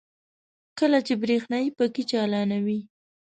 کله چې برېښنايي پکې چالانوي.